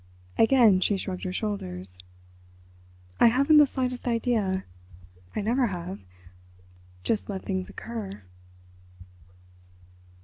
Again she shrugged her shoulders. "I haven't the slightest idea. I never have—just let things occur."